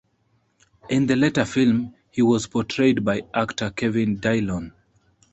In the latter film he was portrayed by actor Kevin Dillon.